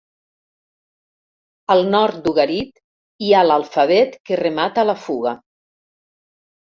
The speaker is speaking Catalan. Al nord d'Ugarit hi ha l'alfabet que remata la fuga.